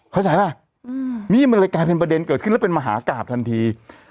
เข้าใจป่ะนี่มันเลยกลายเป็นประเด็นเกิดขึ้นแล้วเป็นมหากราบทันที